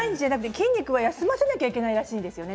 筋肉は休ませなきゃいけないらしいんですよね。